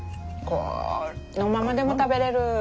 このままでも食べれる。